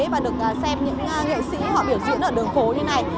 và được xem những nghệ sĩ họ biểu diễn ở đường phố như này